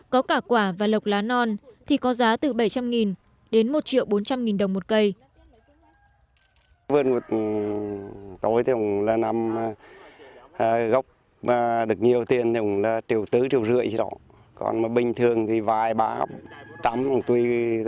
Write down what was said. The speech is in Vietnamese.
có cả quả và lộc lá non thì có giá từ bảy trăm linh nghìn đến một triệu bốn trăm linh nghìn đồng một cây